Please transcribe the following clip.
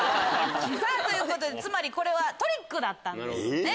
ということでつまりこれはトリックだったんですね。